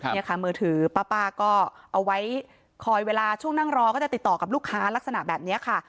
นี่ค่ะมือถือป้าก็เอาไว้คอยเวลาช่วงนั่งรอก็จะติดต่อกับลูกค้าลักษณะแบบนี้ค่ะ